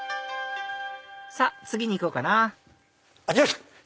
さっ次に行こうかなあっ！